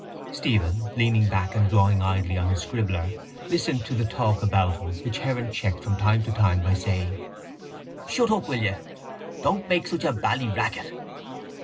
Stephen, leaning back and drawing idly on his scribbler, listened to the talk about him which Heron checked from time to time by saying: —Shut up, will you. Don't make such a bally racket!